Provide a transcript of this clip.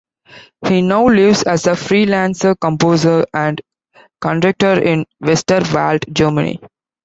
He now lives as a free-lance composer and conductor in Westerwald, Germany.